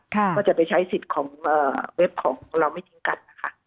ก็จะไปใช้สิทธิ์ของเว็บของเราไม่ทิ้งกันนะคะ